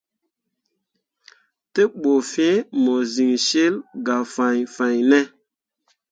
Te ɓu fĩĩ mo siŋ cil gah fãi fãine.